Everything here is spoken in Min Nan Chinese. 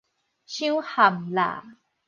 傷譀啦